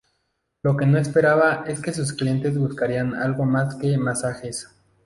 Lo que no esperaba es que sus clientes buscarían algo más que masajes.